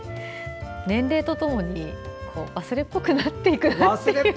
年齢とともに忘れっぽくなっていくなって。